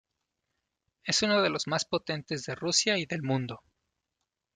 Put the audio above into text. Es uno de los más potentes de Rusia y del mundo.